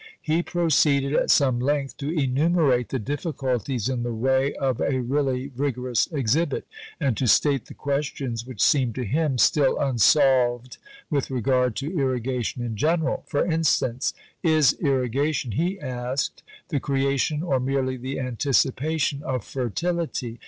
He proceeded at some length to enumerate "the difficulties in the way of a really rigorous exhibit," and to state the questions which seemed to him still unsolved with regard to irrigation in general; for instance, "Is irrigation," he asked, "the creation or merely the anticipation of fertility?